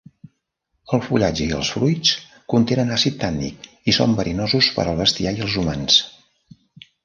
El fullatge i els fruits contenen àcid tànnic i són verinosos per al bestiar i els humans.